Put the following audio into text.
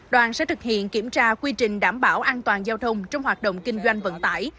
đoàn sẽ thực hiện kiểm tra quy trình đảm bảo an toàn giao thông trong hoạt động kinh doanh vận tải